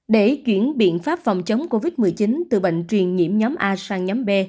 để chuyển biện pháp phòng chống covid một mươi chín từ bệnh truyền nhiễm nhóm a sang nhóm b